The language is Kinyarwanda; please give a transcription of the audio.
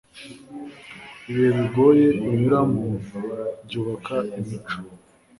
ibihe bigoye unyuramo byubaka imico